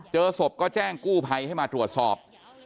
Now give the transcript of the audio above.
เจอศพก็แจ้งกู้ภัยให้มาตรวจสอบ